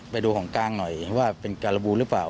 ไปดูของกลางหน่อยว่าเป็นการบูหรือเปล่า